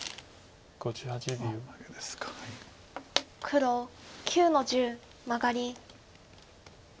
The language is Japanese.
黒９の十マガリ。